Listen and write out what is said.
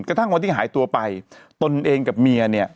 กระทั่งวันที่หายตัวไปตนเองกับเมียเนี่ย